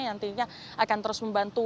yang tentunya akan terus membantukan